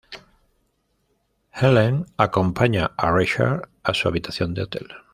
Ellen acompaña a Richard a su habitación de hotel.